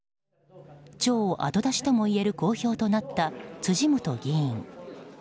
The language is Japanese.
超後出しともいえる公表となった辻元議員。